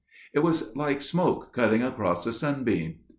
It was like smoke cutting across a sunbeam.